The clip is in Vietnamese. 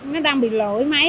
nó đang bị lỗi mấy